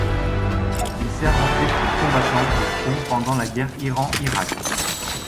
Il sert ensuite comme combattant au front pendant la Guerre Iran-Irak.